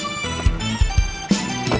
kenapa tidak bisa